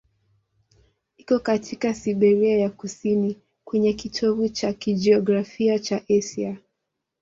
Iko katika Siberia ya kusini, kwenye kitovu cha kijiografia cha Asia.